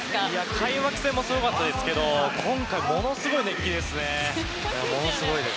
開幕戦もすごかったですが今回も、ものすごい熱気ですね。